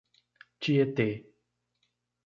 Tietê